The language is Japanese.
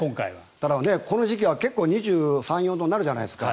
ただ、この時期は結構２３２４度になるじゃないですか。